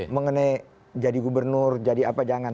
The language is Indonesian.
mengenai jadi gubernur jadi apa jangan